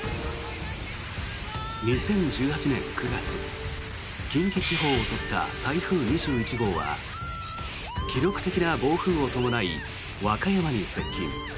２０１８年９月近畿地方を襲った台風２１号は記録的な暴風を伴い和歌山に接近。